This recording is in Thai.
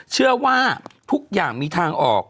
เชื่อว่าทุกอย่างมีทางออก